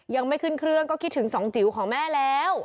ยังไม่ขึ้นเครื่องก็คิดถึงสองจิ๋วของแม่แล้ว